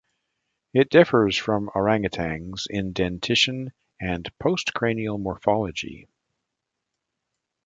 It differs from orangutans in dentition and postcranial morphology.